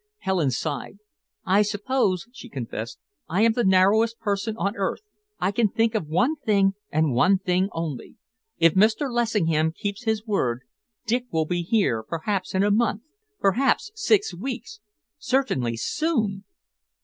Helen sighed. "I suppose," she confessed, "I am the narrowest person on earth. I can think of one thing, and one thing only. If Mr. Lessingham keeps his word, Dick will be here perhaps in a month, perhaps six weeks certainly soon!"